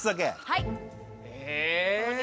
はい。